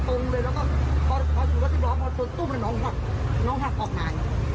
พอสุดรถ๑๐ล้อพอสุดต้งน้องหักออกหลาย